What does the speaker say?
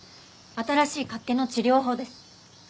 新しい脚気の治療法です。